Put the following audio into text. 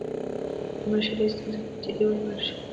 د مشتري ستونزه باید جدي ونیول شي.